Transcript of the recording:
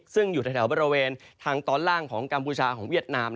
ซึ่งอยู่แถวบริเวณทางตอนล่างของกัมพูชาของเวียดนาม